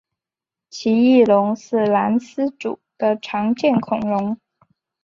奇异龙是兰斯组的常见恐龙。